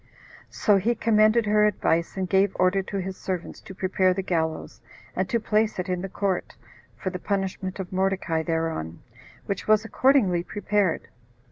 So he commended her advice, and gave order to his servants to prepare the gallows, and to place it in the court, for the punishment of Mordecai thereon, which was accordingly prepared.